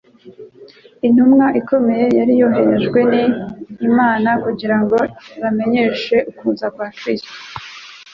Intumwa ikomeye yari yaroherejwe n'Imana kugira ngo ibamenyeshe ukuza kwa kristo,